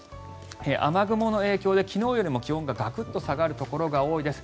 雨雲の影響で昨日よりも気温がガクッと下がるところが多いです。